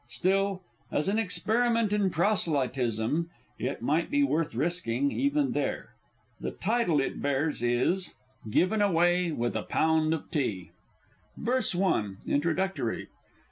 Still, as an experiment in proselytism, it might be worth risking, even there. The title it bears is: GIVEN AWAY WITH A POUND OF TEA! VERSE I. (_Introductory.